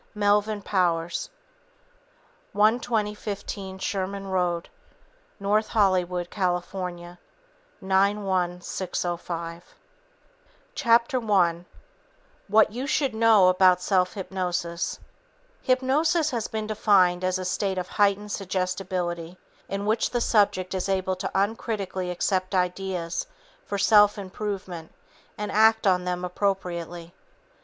MELVIN POWERS 12015 Sherman Road No. Hollywood, California 91605 Chapter 1 What You Should Know About Self Hypnosis Hypnosis has been defined as a state of heightened suggestibility in which the subject is able to uncritically accept ideas for self improvement and act on them appropriately.